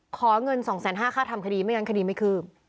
ขอเงิน๒๕๐๐ค่าทำคดีไม่งั้นคดีไม่คืบ